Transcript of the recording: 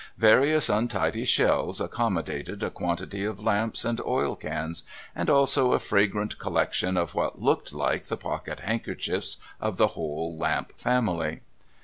Various untidy shelves accommodated a quantity of lamps and oil cans, and also a fragrant collection of what looked like the pocket handkerchiefs of the whole lamp family.